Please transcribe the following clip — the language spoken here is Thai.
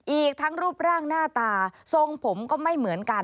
อีกทั้งรูปร่างหน้าตาทรงผมก็ไม่เหมือนกัน